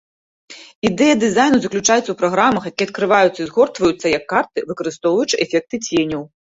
Ідэя дызайну заключаецца ў праграмах, якія адкрываюцца і згортваюцца як карты, выкарыстоўваючы эфекты ценяў.